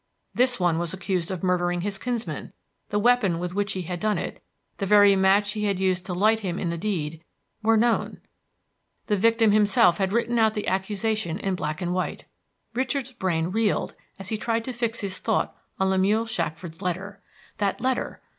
This one was accused of murdering his kinsman; the weapon with which he had done it, the very match he had used to light him in the deed, were known! The victim himself had written out the accusation in black and white. Richard's brain reeled as he tried to fix his thought on Lemuel Shackford's letter. That letter!